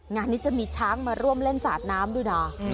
งานนี้จะมีช้างมาร่วมเล่นสาดน้ำด้วยนะ